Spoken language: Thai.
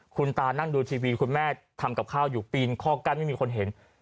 คุณตานั่งดูทีวีคุณแม่ทำกับข้าวอยู่ปีนข้อกั้นไม่มีคนเห็น